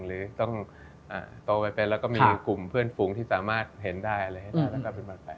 หรือต้องโตไปเป็นแล้วก็มีกลุ่มเพื่อนฝูงที่สามารถเห็นได้อะไรให้ได้แล้วก็เป็นบาดแผล